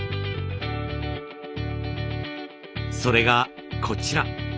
それがこちら。